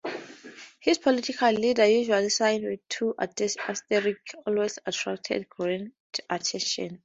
His political leaders, usually signed with two asterisks, always attracted great attention.